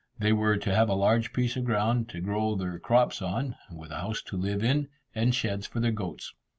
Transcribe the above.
They were to have a large piece of ground to grow their crops on, with a house to live in, and sheds for their goats.